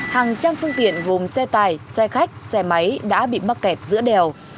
hàng trăm phương tiện gồm xe tải xe khách xe máy đã bị mắc kẹt giữa đèo